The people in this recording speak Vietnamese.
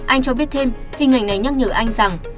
anh cho biết thêm hình ảnh này nhắc nhở anh rằng